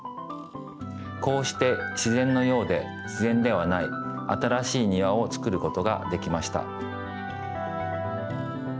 こうして自ぜんのようで自ぜんではないあたらしい庭をつくることができました。